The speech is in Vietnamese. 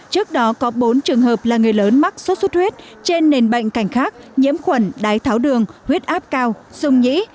trước đó có bốn trường hợp là người lớn mắc sốt xuất huyết trên nền bệnh cảnh khác nhiễm khuẩn đái tháo đường huyết áp cao dung nhĩ